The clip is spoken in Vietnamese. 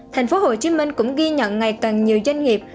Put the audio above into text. tp hcm cũng ghi nhận ngày càng nhiều doanh nghiệp